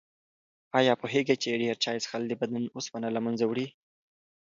آیا پوهېږئ چې ډېر چای څښل د بدن اوسپنه له منځه وړي؟